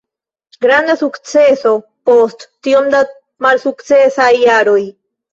Granda sukceso post tiom da malsukcesaj jaroj.